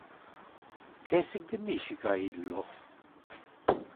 Que significa illo?